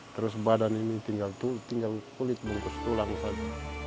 terus badan ini tinggal kulit bungkus tulang saja